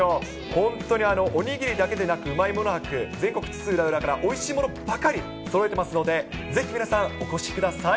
本当におにぎりだけでなく、うまいもの博、全国津々浦々からおいしいものばかりそろえてますので、ぜひ皆さん、お越しください。